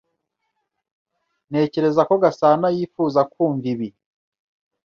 Ntekereza ko Gasanayifuza kumva ibi.